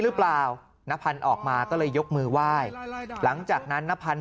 หรือเปล่านพันธ์ออกมาก็เลยยกมือไหว้หลังจากนั้นนพันธ์